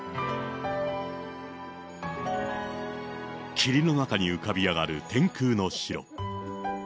霧の中に浮かび上がる天空の城。